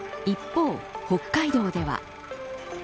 一方、北海道では。